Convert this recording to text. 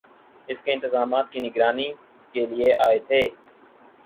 اس کے انتظامات کی نگرانی کیلئے آئے تھے